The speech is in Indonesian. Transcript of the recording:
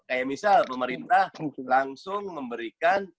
kayak misal pemerintah langsung memberikan